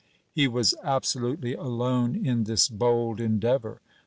He was absolutely alone in this bold endeavour.